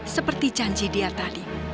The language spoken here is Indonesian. seperti janji dia tadi